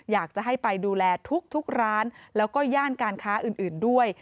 อยากจะให้ไปดูแลทุกร้านแล้วก็ย่านการค้าอื่นด้วย